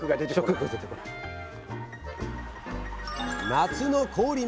夏の氷水。